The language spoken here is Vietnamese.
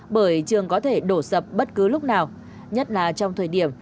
bởi trường có thể đổ sập bất cứ lúc nào nhất là trong thời điểm